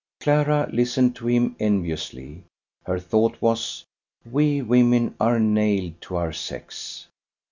Clara listened to him enviously. Her thought was: We women are nailed to our sex!